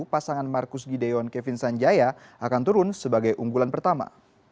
pasangan marcus gideon kevin sanjaya akan turun sebagai unggulan pertama